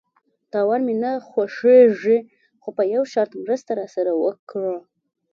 _تاوان مې نه خوښيږي، خو په يوه شرط، مرسته راسره وکړه!